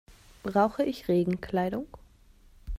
Brauche ich Regenkleidung?